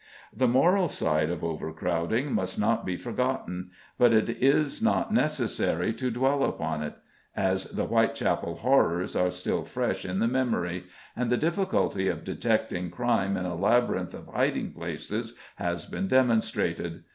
The moral side of overcrowding must not be forgotten, but it is not necessary to dwell upon it, as the Whitechapel horrors are still fresh in the memory, and the difficulty of detecting crime in a labyrinth of hiding places has been demonstrated.